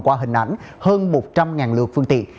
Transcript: qua hình ảnh hơn một trăm linh lượt phương tiện